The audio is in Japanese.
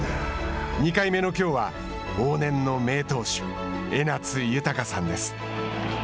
２回目のきょうは往年の名投手、江夏豊さんです。